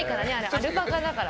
アルパカだから。